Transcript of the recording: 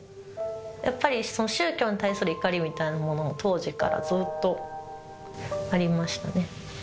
やっぱり宗教に対する怒りみたいなもの、当時からずっとありまし